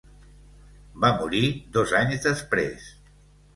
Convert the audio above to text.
Va morir dos anys després.